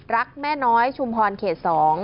รักแม่น้อยชุมพรเขต๒